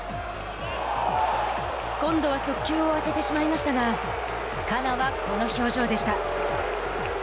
今度は速球を当ててしまいましたがカナはこの表情でした。